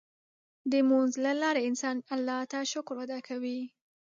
د لمونځ له لارې انسان الله ته شکر ادا کوي.